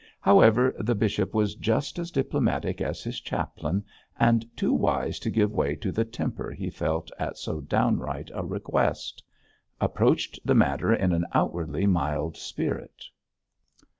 However, the bishop was just as diplomatic as his chaplain, and too wise to give way to the temper he felt at so downright a request, approached the matter in an outwardly mild spirit.